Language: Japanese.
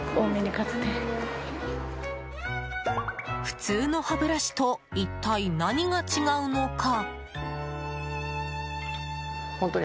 普通の歯ブラシと一体何が違うのか。